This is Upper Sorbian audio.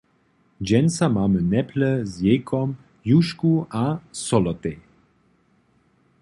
Dźensa mamy neple z jejkom, jušku a solotej.